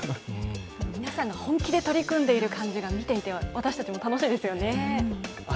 皆さんが本気で取り組んでいる感じが見ていて楽しいですよね。